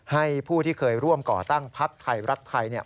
ให้ผู้ที่เคยร่วมก่อตั้งพักไทยรักไทย